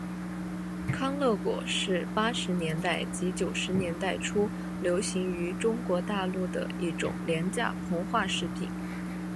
康乐果是八十年代及九十年代初流行于中国大陆一种廉价膨化食品。